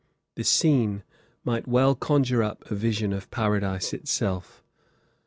The scene might well conjure up a vision of Paradise itself.